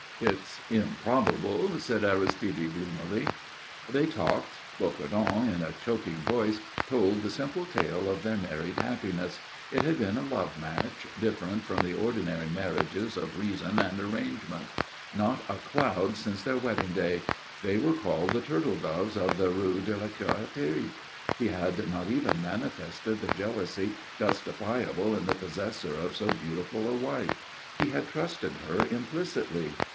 "It's improbable," said Aristide, gloomily. They talked. Bocardon, in a choking voice, told the simple tale of their married happiness. It had been a love match, different from the ordinary marriages of reason and arrangement. Not a cloud since their wedding day. They were called the turtle doves of the Rue de la Curatterie. He had not even manifested the jealousy justifiable in the possessor of so beautiful a wife. He had trusted her implicitly.